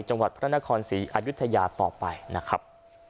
จังหวัดพระนครศรีอายุทยาต่อไปนะครับ